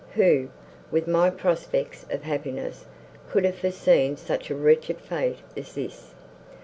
Who, with my prospects of happiness, could have foreseen such a wretched fate as this?